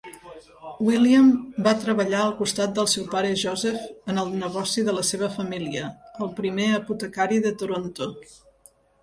William va treballar al costat del seu pare Joseph en el negoci de la seva família: el primer apotecari de Toronto.